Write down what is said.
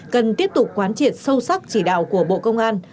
cần tiếp tục quán triệt sâu sắc chỉ đạo của bộ công an